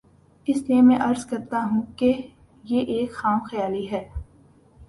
اس لیے میں عرض کرتا ہوں کہ یہ ایک خام خیالی ہے۔